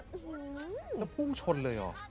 ก็พุ่งชนเลยหรอ